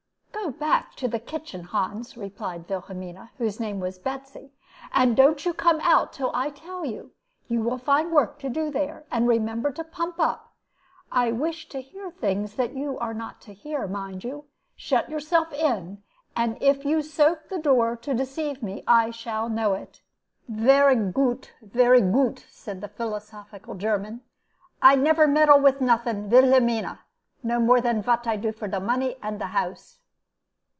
"Go to the back kitchen, Hans," replied Wilhelmina, whose name was "Betsy," "and don't come out until I tell you. You will find work to do there, and remember to pump up. I wish to hear things that you are not to hear, mind you. Shut yourself in, and if you soap the door to deceive me, I shall know it." "Vere goot, vere goot," said the philosophical German; "I never meddle with nothing, Vilhelmina, no more than vhat I do for de money and de house."